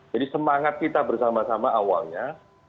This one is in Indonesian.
jadi semangat kita bersama sama awalnya